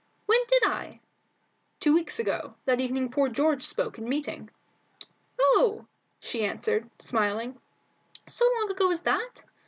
"When did I?" "Two weeks ago, that evening poor George spoke in meeting." "Oh!" she answered, smiling, "so long ago as that?